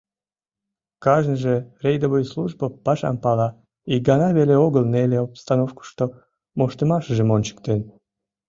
Кажныже рейдовый службо пашам пала, ик гана веле огыл неле обстановкышто моштымашыжым ончыктен.